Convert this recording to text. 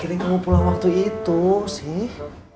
terakhir yang mau pulang waktu itu sih